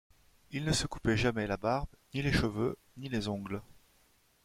Il ne se coupait jamais la barbe, ni les cheveux, ni les ongles.